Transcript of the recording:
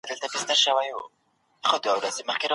افغان شاګردان عادلانه محکمې ته اسانه لاسرسی نه لري.